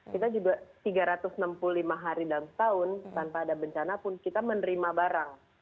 kita juga tiga ratus enam puluh lima hari dalam setahun tanpa ada bencana pun kita menerima barang